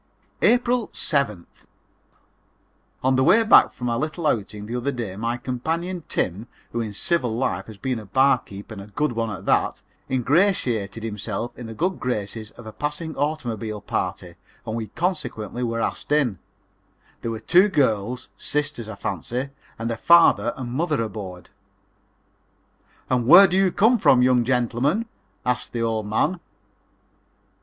[Illustration: "OF COURSE I PLAYED THE GAME NO MORE"] April 7th. On the way back from a little outing the other day my companion, Tim, who in civil life had been a barkeeper and a good one at that, ingratiated himself in the good graces of a passing automobile party and we consequently were asked in. There were two girls, sisters, I fancy, and a father and mother aboard. "And where do you come from, young gentlemen?" asked the old man.